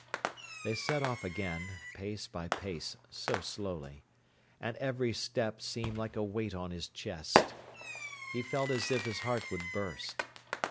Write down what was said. They set off again, pace by pace, so slowly. And every step seemed like a weight on his chest. He felt as if his heart would burst.